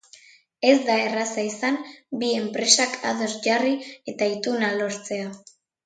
Ez da erraza izan bi enpresak ados jarri eta ituna lortzea.